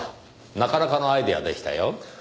なかなかのアイデアでしたよ。